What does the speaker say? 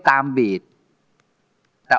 สวัสดีครับ